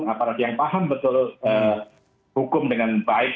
aparat yang paham betul hukum dengan baik